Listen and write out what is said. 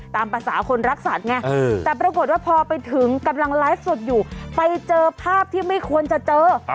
ตามภาษาคนรักสัตว์ไงแต่ปรากฏว่าพอไปถึงกำลังไลฟ์สดอยู่ไปเจอภาพที่ไม่ควรจะเจอ